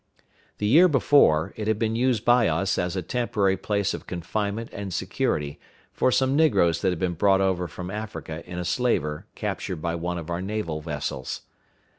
The year before, it had been used by us as a temporary place of confinement and security for some negroes that had been brought over from Africa in a slaver captured by one of our naval vessels.